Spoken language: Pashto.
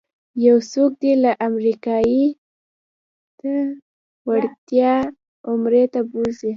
یو څوک دې له امریکې تا وړیا عمرې ته بوځي.